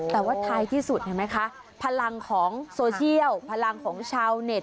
แต่ว่าท้ายที่สุดเห็นไหมคะพลังของโซเชียลพลังของชาวเน็ต